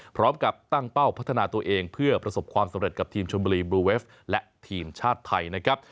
พร้อมกับตั้งเป้าพัฒนาตัวเองเพื่อประสบความสำเร็จกับทีมชนบุรีบลูเวฟและทีมชาติไทยนะครับ